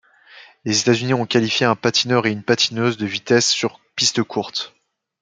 Les États-Unis ont qualifié un patineur et une patineuse de vitesse sur piste courte.